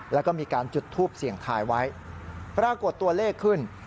แล้วก็มีการจุดทูปเสี่ยงทายไว้ปรากฏตัวเลขขึ้น